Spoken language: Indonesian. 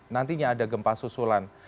nantinya ada gempa susulan